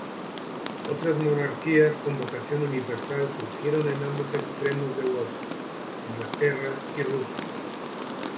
Otras monarquías con vocación universal surgieron en ambos extremos de Europa: Inglaterra y Rusia.